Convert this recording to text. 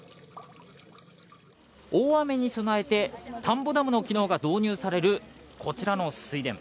大雨に備えて、田んぼダムの機能が導入されるこちらの水田。